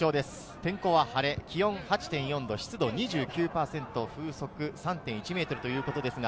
天候は晴れ、気温８．４度、湿度は２９％、風速３．１メートルです。